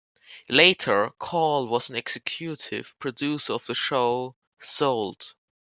Later, Carl was an executive producer of the show Sold!